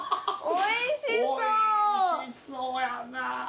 おいしそうやな。